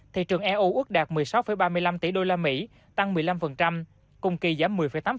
thị trường eu ước đạt một mươi sáu ba mươi năm tỷ đô la mỹ tăng một mươi năm cùng kỳ giảm một mươi tám